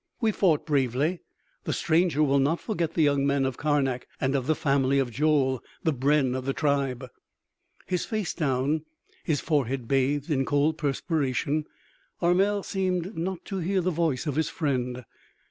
We fought bravely.... The stranger will not forget the young men of Karnak and of the family of Joel, the brenn of the tribe." His face down, his forehead bathed in cold perspiration, Armel seemed not to hear the voice of his friend.